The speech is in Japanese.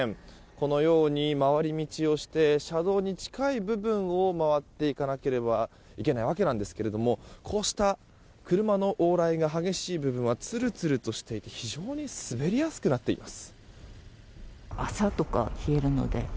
このように回り道をして車道に近い部分を回っていかなければいけないわけなんですがこうした車の往来が激しい部分はつるつるとしていて非常に滑りやすくなっています。